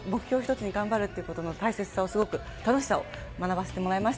１つに頑張るということの大切さ、すごく楽しさを学ばせてもらいました。